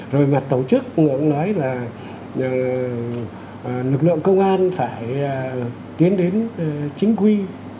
rồi mặt tổ chức người cũng nói là lực lượng công an phải tiến đến chính quy